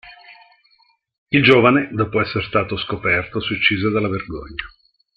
Il giovane, dopo esser stato scoperto, si uccise dalla vergogna.